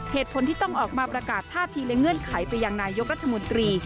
เหตุผลที่ต้องออกมาประกาศท่าทีและเงื่อนไขไปยังนายกรัฐมนตรี